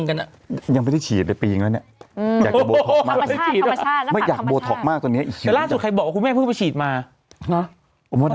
กลิ้มหาอยู่กาลวิวปีหรือแต่หนื่น